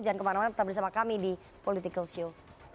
jangan kemana mana tetap bersama kami di political show